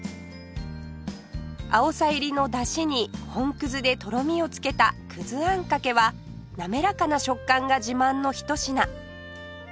青さ入りのだしに本でとろみをつけたあんかけは滑らかな食感が自慢のひと品